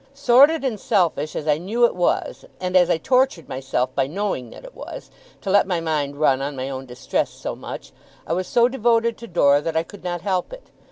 Sordid and selfish as I knew it was, and as I tortured myself by knowing that it was, to let my mind run on my own distress so much, I was so devoted to Dora that I could not help it.